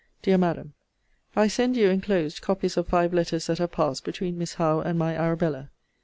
DEAR MADAM, I send you, enclosed, copies of five letters that have passed between Miss Howe and my Arabella.